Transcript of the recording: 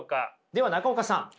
では中岡さん